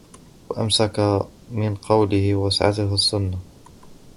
وَأَمْسَكَ مِنْ قَوْلِهِ وَوَسِعَتْهُ السُّنَّةُ